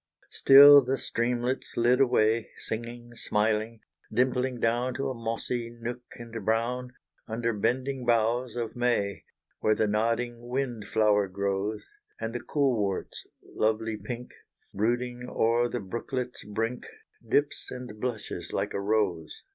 Still the streamlet slid away, Singing, smiling, dimpling down To a mossy nook and brown, Under bending boughs of May; Where the nodding wind flower grows, And the coolwort's lovely pink, Brooding o'er the brooklet's brink Dips and blushes like a rose.